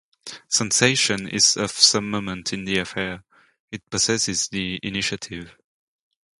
Sensation is of some moment in the affair. It possesses the initiative.